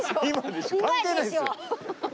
関係ないですよ。